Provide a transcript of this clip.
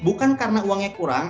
bukan karena uangnya kurang